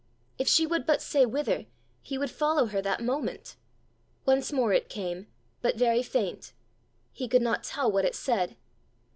If she would but say whither, he would follow her that moment! Once more it came, but very faint; he could not tell what it said.